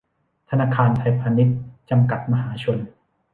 ธนาคารไทยพาณิชย์ จำกัด มหาชน